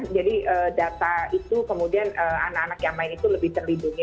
jadi data itu kemudian anak anak yang main itu lebih terlindung